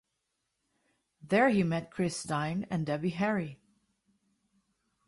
There he met Chris Stein and Debbie Harry.